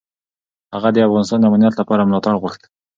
هغه د افغانستان د امنیت لپاره ملاتړ غوښت.